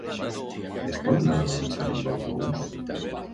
Es pot anar a l'Orxa amb autobús?